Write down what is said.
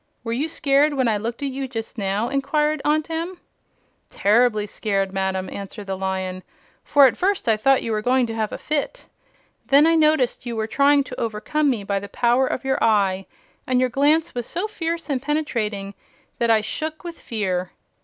"Were you scared when I looked at you just now?" inquired Aunt Em. "Terribly scared, madam," answered the Lion, "for at first I thought you were going to have a fit. Then I noticed you were trying to overcome me by the power of your eye, and your glance was so fierce and penetrating that I shook with fear."